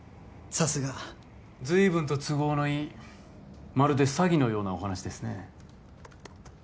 さすがずいぶんと都合のいいまるで詐欺のようなお話ですね